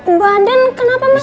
mbak andin kenapa mas